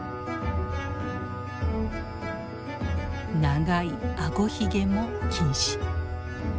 長いあごひげも禁止。